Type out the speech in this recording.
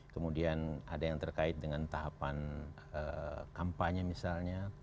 kemudian ada yang terkait dengan tahapan kampanye misalnya